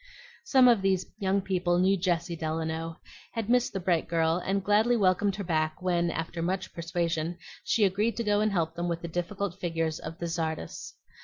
Some of these young people knew Jessie Delano, had missed the bright girl, and gladly welcomed her back when, after much persuasion, she agreed to go and help them with the difficult figures of the tzardas.